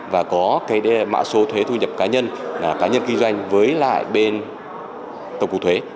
và có cái mạ số thuế thu nhập cá nhân cá nhân kinh doanh với lại bên tổng cục thuế